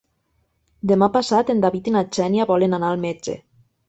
Demà passat en David i na Xènia volen anar al metge.